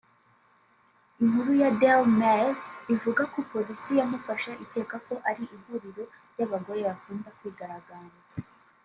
Inkuru ya Daily Mail ivuga ko polisi yamufashe ikeka ko ari mu ihuriro ry’abagore bakunda kwigaragambya